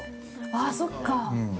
◆あそっか。